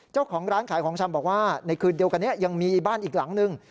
เจ้าของร้านขายของชำบอกว่าในคืนเดียวกันนี้ยังมีบ้านอีกหลังนึง